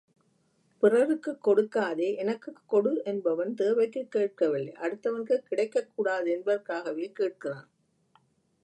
பிறருக்குக் கொடுக்காதே எனக்குக் கொடு என்பவன், தேவைக்குக் கேட்கவில்லை, அடுத்தவனுக்குக் கிடைக்கக் கூடாது என்பதற்காகவே கேட்கிறான்.